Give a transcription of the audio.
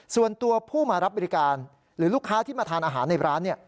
ส่วนตัวผู้มารับบริการหรือลูกค้าที่มาทานอาหารในร้าน